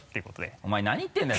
お前何言ってるんだよ